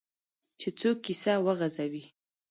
چې څوک کیسه وغځوي.